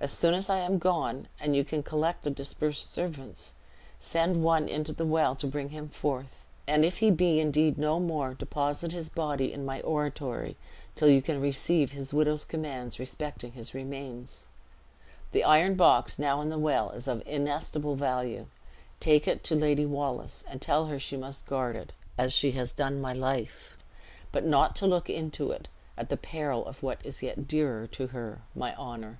As soon as I am gone, and you can collect the dispersed servants, send one into the well to bring him forth; and if he be indeed no more, deposit his body in my oratory, till you can receive his widow's commands respecting his remains. The iron box now in the well is of inestimable value; take it to Lady Wallace and tell her she must guard it, as she has done my life; but not to look into it, at the peril of what is yet dearer to her my honor."